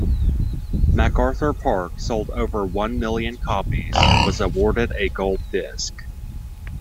"MacArthur Park" sold over one million copies, and was awarded a gold disc.